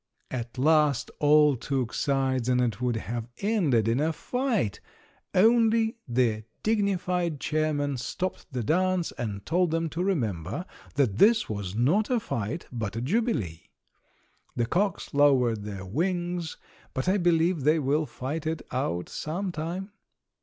At last all took sides, and it would have ended in a fight, only the dignified chairman stopped the dance and told them to remember that this was not a fight, but a jubilee. The cocks lowered their wings, but I believe they will fight it out sometime.